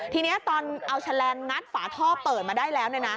ทีนี้ตอนเอาแฉลงงัดฝาท่อเปิดมาได้แล้ว